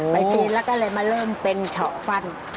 ไปปีนแล้วก็เลยมาเริ่มเป็นเฉาะฟัน